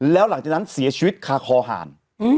แล้วหลังจากนั้นเสียชีวิตคาคอหาร